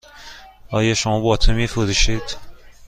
آیا شما باطری می فروشید؟